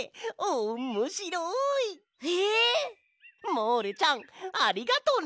モールちゃんありがとね！